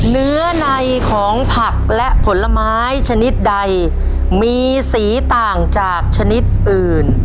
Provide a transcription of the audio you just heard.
เนื้อในของผักและผลไม้ชนิดใดมีสีต่างจากชนิดอื่น